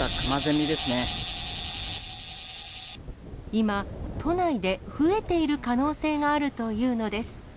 今、都内で増えている可能性があるというのです。